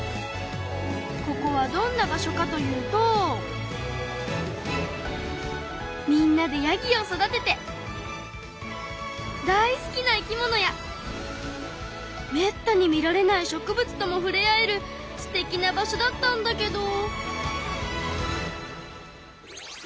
ここはどんな場所かというとみんなでヤギを育てて大好きな生き物やめったに見られない植物ともふれ合えるすてきな場所だったんだけど。